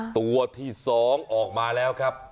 ตัวที่๒ออกมาแล้วครับ